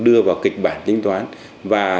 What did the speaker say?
đưa vào kịch bản tính toán và